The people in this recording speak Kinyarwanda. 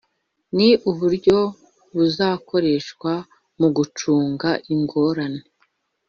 ni uburyo buzakoreshwa mu gucunga ingorane